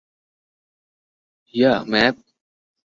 Yeah, ম্যাভ।